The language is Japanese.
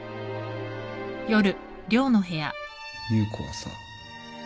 優子はさ